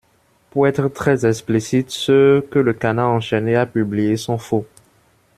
Pour être très explicite, ceux que Le Canard enchaîné a publiés sont faux.